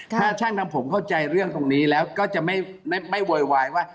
ถ้าช่างทำผมเข้าใจเรื่องตรงนี้แล้วก็จะไม่โวยวายว่า